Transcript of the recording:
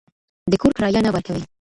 د کور کرایه نه ورکوئ.